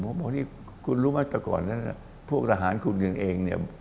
เรารู้มั่นตอนนั้นพวกราหารคุณหนึ่งเอง